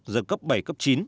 giật cấp bảy cấp chín